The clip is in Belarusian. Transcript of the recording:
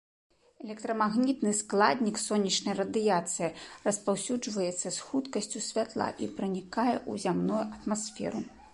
Электрамагнітны складнік сонечнай радыяцыі распаўсюджваецца з хуткасцю святла і пранікае ў зямную атмасферу.